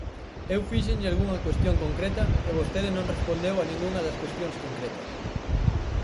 Eu fíxenlle algunha cuestión concreta e vostede non respondeu a ningunha das cuestións concretas.